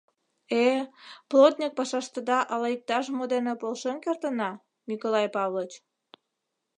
— Э-э, плотньык пашаштыда ала иктаж-мо дене полшен кертына, Миколай Павлыч?